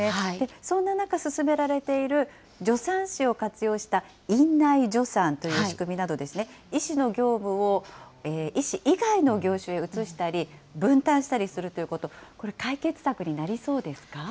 そんな中、進められている助産師を活用した院内助産という仕組みなどですね、医師の業務を医師以外の業種へ移したり、分担したりするということ、これ、解決策になりそうですか。